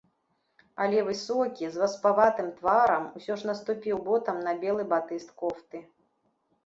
Але высокі, з васпаватым тварам, усё ж наступіў ботам на белы батыст кофты.